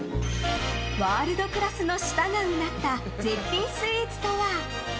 ワールドクラスの舌がうなった絶品スイーツとは？